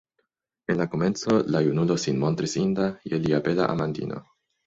En komenco la junulo sin montris inda je lia bela amantino.